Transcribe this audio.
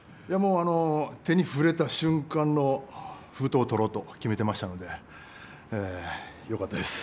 手に触れた瞬間の封筒を取ろうと決めてましたのでよかったです。